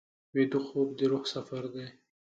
ویده خوب د روح سفر دی